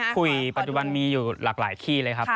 คุยปัจจุบันมีอยู่หลากหลายขี้เลยครับ